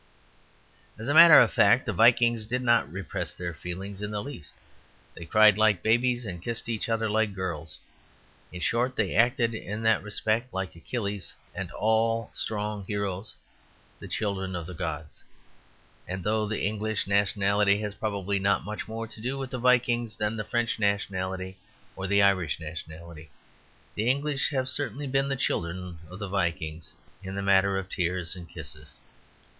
As a matter of fact, the Vikings did not repress their feelings in the least. They cried like babies and kissed each other like girls; in short, they acted in that respect like Achilles and all strong heroes the children of the gods. And though the English nationality has probably not much more to do with the Vikings than the French nationality or the Irish nationality, the English have certainly been the children of the Vikings in the matter of tears and kisses.